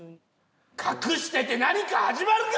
隠してて何か始まるか！